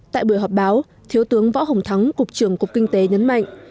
tại buổi họp báo thiếu tướng võ hồng thắng cục trưởng cục kinh tế nhấn mạnh